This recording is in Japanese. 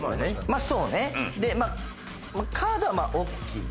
まあそうねでカードはまあおっきい？